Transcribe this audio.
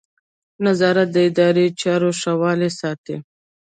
نظارت د اداري چارو ښه والی ساتي.